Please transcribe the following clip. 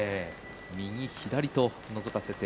右、左とのぞかせて。